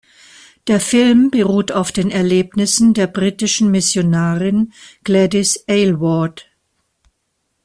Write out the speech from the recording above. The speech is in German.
Der Film beruht auf den Erlebnissen der britischen Missionarin Gladys Aylward.